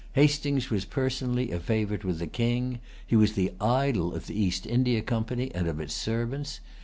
Hastings was personally a favorite with the King. He was the idol of the East India Company and of its servants.